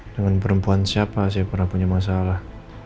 dengan perempuan siapa saya pernah punya masalah